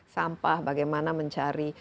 sampah bagaimana mencari